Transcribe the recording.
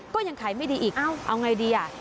ก็ยังขายไม่ดีอีกเอ้าเอาไงดีอ่ะ